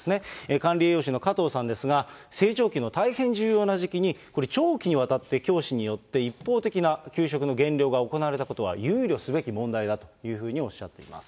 管理栄養士の加藤さんですが、成長期の大変重要な時期に、長期にわたって教師によって一方的に給食の減量が行われたことは憂慮すべき問題だというふうにおっしゃっています。